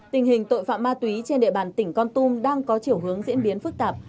tình hình tội phạm ma túy trên địa bàn tỉnh con tum đang có chiều hướng diễn biến phức tạp